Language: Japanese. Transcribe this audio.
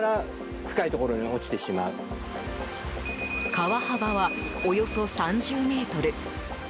川幅は、およそ３０ｍ。